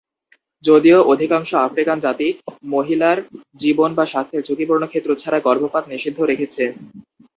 যদিও অধিকাংশ আফ্রিকান জাতি, মহিলার জীবন বা স্বাস্থ্যের ঝুঁকিপূর্ণ ক্ষেত্র ছাড়া, গর্ভপাত নিষিদ্ধ রেখেছে।